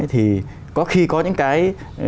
thì có khi có những cái